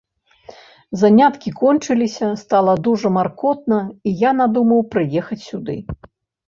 Заняткі кончыліся, стала дужа маркотна, і я надумаў прыехаць сюды.